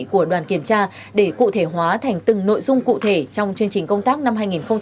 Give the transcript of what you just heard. của đoàn kiểm tra để cụ thể hóa thành từng nội dung cụ thể trong chương trình công tác năm hai nghìn hai mươi